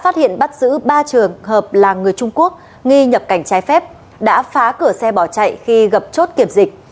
thứ ba trường hợp là người trung quốc nghi nhập cảnh trái phép đã phá cửa xe bỏ chạy khi gặp chốt kiểm dịch